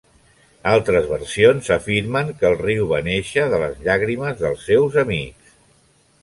Altres versions afirmen que el riu va néixer de les llàgrimes dels seus amics.